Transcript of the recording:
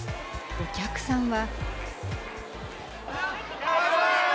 お客さんは。